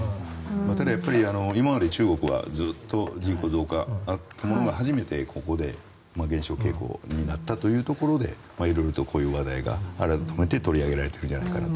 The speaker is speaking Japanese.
ただやっぱり今まで中国はずっと人口増加だったものが初めてここで減少傾向になったというところで色々とこういう話題が改めて取り上げられているんじゃないかと。